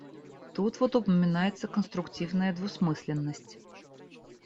Тут вот упоминается конструктивная двусмысленность.